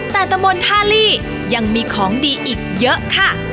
แต่ตะมนต์ท่าลี่ยังมีของดีอีกเยอะค่ะ